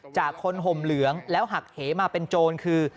จากคนห่มเหลืองแล้วหักเหมาเป็นโจรคือ